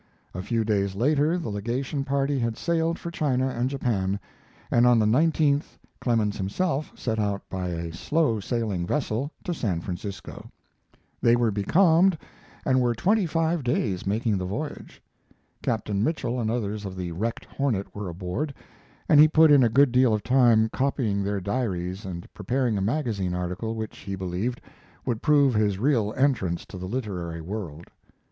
A few days later the legation party had sailed for China and Japan, and on the 19th Clemens himself set out by a slow sailing vessel to San Francisco. They were becalmed and were twenty five days making the voyage. Captain Mitchell and others of the wrecked Hornet were aboard, and he put in a good deal of time copying their diaries and preparing a magazine article which, he believed, would prove his real entrance to the literary world.